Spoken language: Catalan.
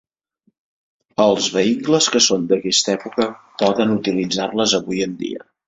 Els vehicles que són d'aquesta època poden utilitzar-les avui en dia.